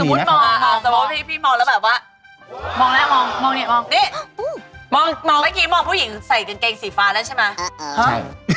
มันเป็นอะไร